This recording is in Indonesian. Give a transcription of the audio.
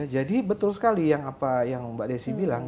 jadi betul sekali yang mbak desy bilang